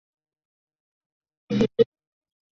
张轨的父亲张崇官至高平令。